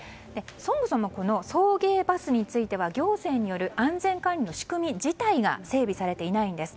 そもそも、送迎バスについては行政による安全管理の仕組み自体が整備されていないんです。